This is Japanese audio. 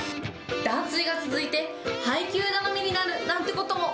断水が続いて、配給頼みになるなんてことも。